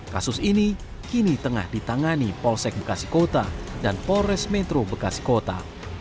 kasus ini kini tengah ditangani polsek bekasi kota dan polres metro bekasi kota